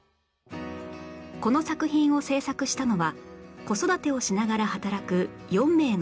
この作品を制作したのは子育てをしながら働く４名の女性